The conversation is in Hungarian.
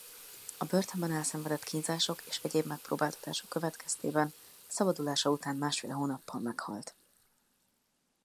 A börtönben elszenvedett kínzások és egyéb megpróbáltatások következtében szabadulása után másfél hónappal meghalt.